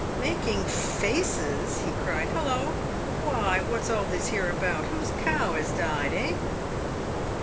"Making faces !" he cried. " Hullo ! why, what's all this here about ? Whose cow has died, eh